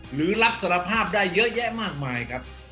หรือรับสารภาพได้เยอะแยะมากมายครับ